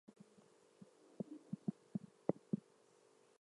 The points to be identified are specified by an equivalence relation.